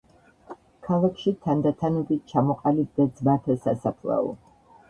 ქალაქში თანდათანობით ჩამოყალიბდა ძმათა სასაფლაო.